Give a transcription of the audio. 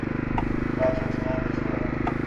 کا چُٹ ناں دے چھوڑا